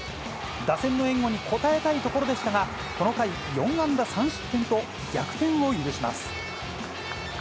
打線の援護に応えたいところでしたが、この回、４安打３失点と逆転を許します。